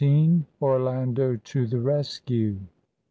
ORLANDO TO THE RESCUE.